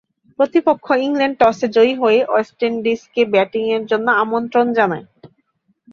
প্রতিপক্ষ ইংল্যান্ড টসে জয়ী হয়ে ওয়েস্ট ইন্ডিজকে ব্যাটিংয়ের জন্যে আমন্ত্রণ জানায়।